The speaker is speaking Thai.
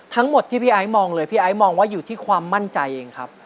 ทั้งหมดที่พี่ไอ้มองเลยพี่ไอ้มองว่าอยู่ที่ความมั่นใจเองครับ